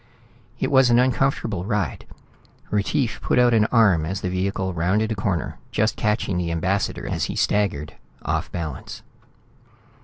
It was an uncomfortable ride. Retief put out an arm as the vehicle rounded a corner, just catching the ambassador as he staggered, off balance.